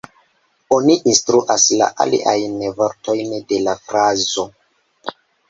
Oni instruas la aliajn vortojn de la frazo.